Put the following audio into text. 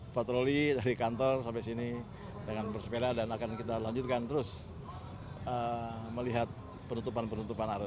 patroli dari kantor sampai sini dengan bersepeda dan akan kita lanjutkan terus melihat penutupan penutupan